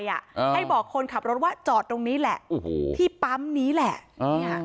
ให้บอกคนขับรถว่าจอดตรงนี้แหละโอ้โหที่ปั๊มนี้แหละ